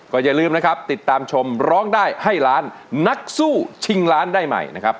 อย่าลืมนะครับติดตามชมร้องได้ให้ล้านนักสู้ชิงล้านได้ใหม่นะครับ